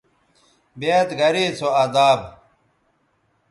بیاد گرے سو اداب